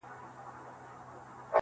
د انصاف وار چې راشي